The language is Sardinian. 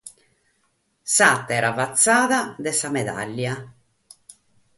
S'àtera fatzada de sa medàllia.